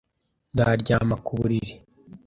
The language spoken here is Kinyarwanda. Nzaryama ku buriri.